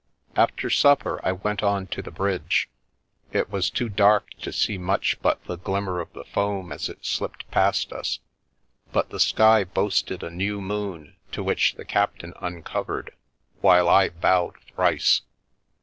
After supper I went on to the bridge. It was too dark to see much but the glimmer of the foam as it slipped past us, but the sky boasted a new moon to which the captain uncovered, while I bowed thrice.